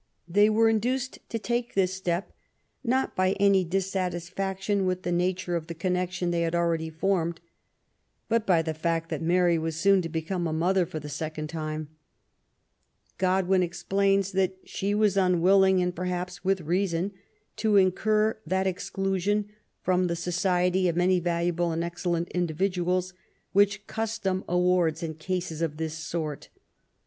They were induced to take this step, not by any dissatisfaction with the nature of the connection they had already formed, but by the fact that Mary was . soon to become a mother for the second time. God win explains that she was unwilling, and perhaps with reason, to incur that exclusion from the society of many valuable and excellent individuals, which cus tom awards in cases of this sort.